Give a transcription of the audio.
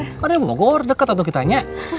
dari bogor deket atau kita hanya